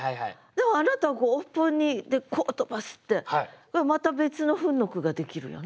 でもあなたは尾っぽにこう飛ばすってまた別の糞の句ができるよな。